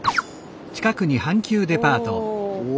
おお。